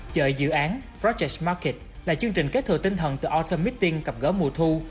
chợ dự án project market là chương trình kết thừa tinh thần từ autumn meeting cập gỡ mùa thu